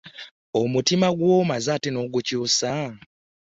Omutima gwo ate omaze n'ogukyusa?